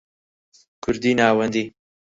کوردیی ناوەندی